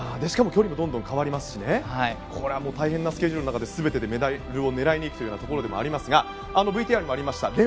しかも距離もどんどん変わりますしこれは大変なスケジュールの中で全てでメダルを狙いにいくということですがＶＴＲにもありました